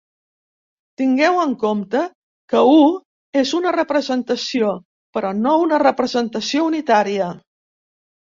Tingueu en compte que "u" és una representació, però no una representació unitària.